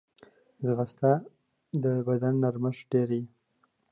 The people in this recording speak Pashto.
ځغاسته د بدن نرمښت ډېروي